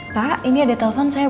pak ini ada telepon saya